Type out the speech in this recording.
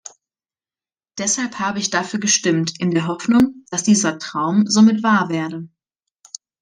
Deshalb habe ich dafür gestimmt in der Hoffnung, dass dieser Traum somit wahr werde.